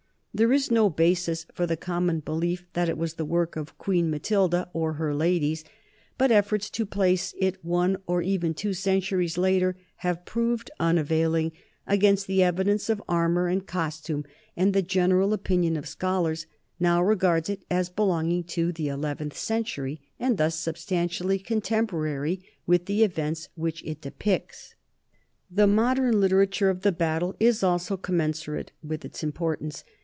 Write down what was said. There is no basis for the common be NORMANDY AND ENGLAND 77 lief that it was the work of Queen Matilda or her ladies, but efforts to place it one or even two centuries later have proved unavailing against the evidence of armor and costume, and the general opinion of scholars now regards it as belonging to the eleventh century and thus substantially contemporary with the events which it depicts. The modern literature of the battle is also commensur ate with its importance.